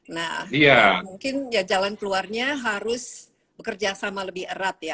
nah mungkin ya jalan keluarnya harus bekerja sama lebih erat ya